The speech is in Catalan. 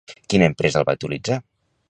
Quina empresa el va utilitzar?